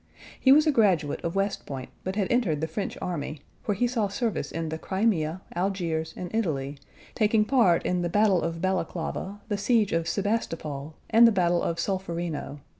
He was a graduate of West Point, but had entered the French Army, where he saw service in the Crimea, Algiers, and Italy, taking part in the battle of Balaklava, the siege of Sebastopol, and the battle of Solferino.